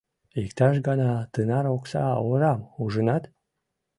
Иктаж-гана тынар окса орам ужынат?